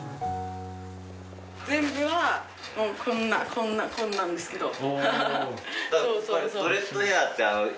全部はこんなこんなんですけど。